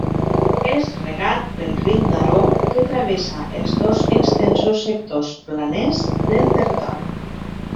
És regat pel riu Daró, que travessa els dos extensos sectors planers del territori.